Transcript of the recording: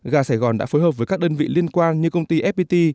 gà sài gòn đã phối hợp với các đơn vị liên quan như công ty fpt